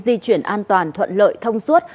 di chuyển an toàn thuận lợi thông suốt